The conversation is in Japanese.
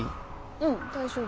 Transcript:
うん大丈夫。